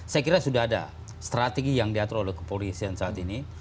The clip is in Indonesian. saya kira sudah ada strategi yang diatur oleh kepolisian saat ini